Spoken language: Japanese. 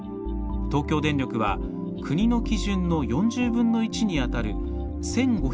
東京電力は国の基準の４０分の１にあたる１５００